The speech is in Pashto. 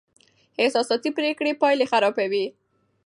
احساساتي پرېکړې پایلې خرابوي.